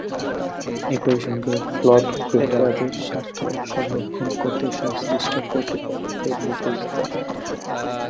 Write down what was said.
একই সঙ্গে প্লট গ্রহীতাদের স্বার্থ সংরক্ষণ করতে সংশ্লিষ্ট কর্তৃপক্ষকে নির্দেশ দেন।